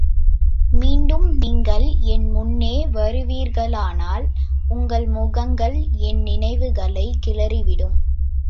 மீண்டும் நீங்கள் என்முன்னே வருவீர்களானால், உங்கள் முகங்கள் என் நினைவுகளைக் கிளறிவிடும்.